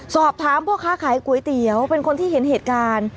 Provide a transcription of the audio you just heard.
สอบถามพ่อค้าขายก๋วยเตี๋ยวเป็นคนที่เห็นเหตุการณ์